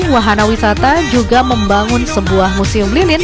wahana wisata juga membangun sebuah museum lilin